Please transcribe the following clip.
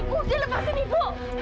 udah lepasin ibu